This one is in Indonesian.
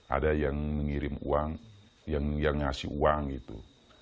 ada yang mengirim uang yang ngasih uang itu